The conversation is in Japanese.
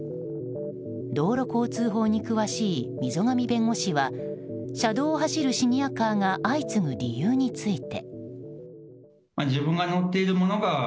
道路交通法に詳しい溝上弁護士は車道を走るシニアカーが相次ぐ理由について。